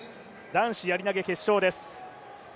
男子やり投決勝です。